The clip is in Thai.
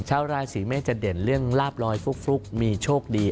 ชาวราศีเมษจะเด่นเรื่องลาบลอยฟลุกมีโชคดี